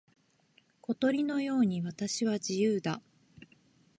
小鳥のように私は自由だ。